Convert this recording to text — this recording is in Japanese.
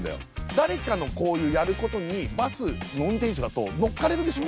誰かのこういうやることにバスの運転手だと乗っかれるでしょ。